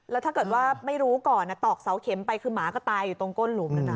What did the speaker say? แล้วถ้าเกิดว่าไม่รู้ก่อนตอกเสาเข็มไปคือหมาก็ตายอยู่ตรงก้นหลุมแล้วนะ